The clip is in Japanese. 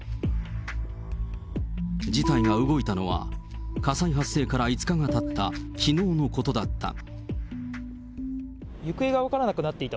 事態が動いたのは火災発生から５日がたったきのうのことだった。